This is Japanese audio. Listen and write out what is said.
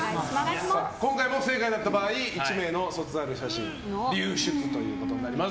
今回も不正解だった場合１名の卒アル写真流出ということになります。